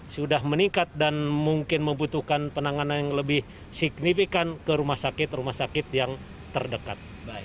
sudah meningkat dan mungkin membutuhkan penanganan yang lebih signifikan ke rumah sakit rumah sakit yang terdekat